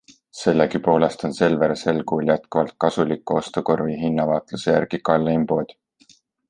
Sellegi poolest on Selver sel kuul jätkuvalt Kasuliku ostukorvi hinnavaatluse järgi kalleim pood.